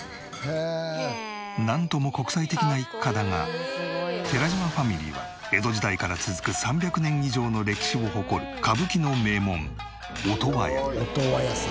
なんとも寺島ファミリーは江戸時代から続く３００年以上の歴史を誇る歌舞伎の名門音羽屋。